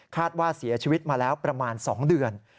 ว่าเสียชีวิตมาแล้วประมาณ๒เดือน